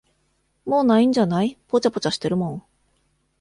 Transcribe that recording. もう無いんじゃない、ぽちゃぽちゃしてるもん。